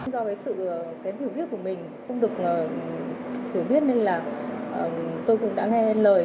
do sự hiểu biết của mình không được hiểu biết nên là tôi cũng đã nghe lời